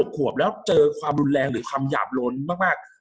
ขวบแล้วเจอความรุนแรงหรือคำหยาบล้นมาก